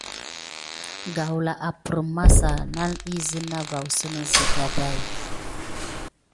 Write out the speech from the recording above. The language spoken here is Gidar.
Garzlaw aɗäkiy awula gulaska si magaoula las na don wula duko.